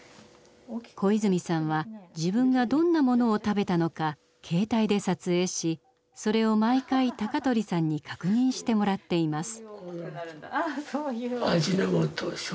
小泉さんは自分がどんなものを食べたのか携帯で撮影しそれを毎回高取さんに確認してもらっています。